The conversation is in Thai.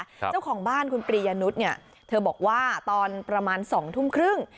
เจ้าของบ้านคุณปรียนุษย์เนี่ยเธอบอกว่าตอนประมาณ๒ทุ่มครึ่ง